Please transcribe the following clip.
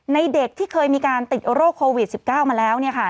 ๓ในเด็กที่เคยมีการติดโรคโควิด๑๙มาแล้วเนี่ยค่ะ